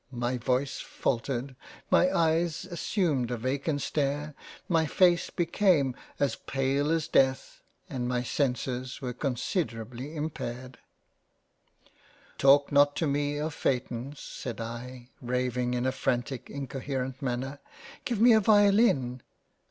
My Voice faltered, My Eyes 3i ^ JANE AUSTEN assumed a vacant stare, my face became as pale as Death, and my senses were considerably impaired —." Talk not to me of Phaetons (said I, raving in a frantic, incoherent manner) — Give me a violin —